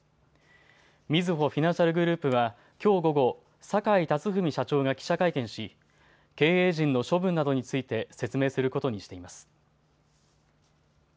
みずほフィナンシャルグループはきょう午後、坂井辰史社長が記者会見し経営陣の処分などについて説明することにしています。